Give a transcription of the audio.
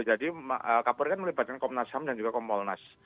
jadi kapolri kan melibatkan komnas ham dan juga kompolnas